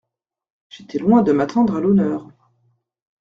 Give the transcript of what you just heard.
J’étais loin de m’attendre à l’honneur…